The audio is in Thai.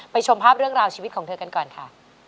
ชมภาพเรื่องราวชีวิตของเธอกันก่อนค่ะ